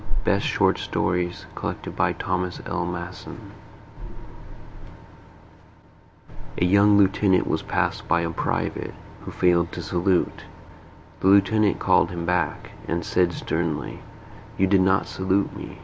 BEST SHORT STORIES THE POINT OF HONOR A young lieutenant was passed by a private, who failed to salute. The lieutenant called him back, and said sternly: "You did not salute me.